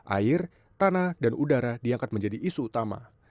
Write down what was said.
air tanah dan udara diangkat menjadi isu utama